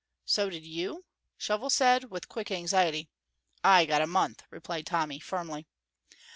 "So did you?" Shovel said, with quick anxiety. "I got a month," replied Tommy, firmly.